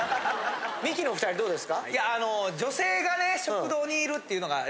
ミキの２人どうですか？